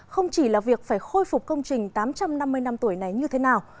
không chỉ là việc phải khôi phục công trình tám trăm năm mươi năm tuổi này như thế nào